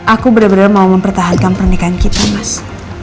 aku bener bener mau mempertahankan pernikahan kita mas